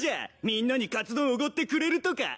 みんなにカツ丼おごってくれるとか。